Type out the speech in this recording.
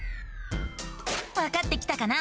わかってきたかな？